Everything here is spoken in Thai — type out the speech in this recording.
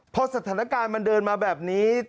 พอสถานการณ์มันเดินมาแบบนี้